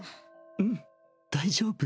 うん大丈夫。